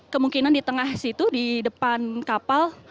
kemungkinan di tengah situ di depan kapal